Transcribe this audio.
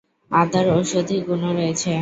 আদার ঔষধি গুণও রয়েছে।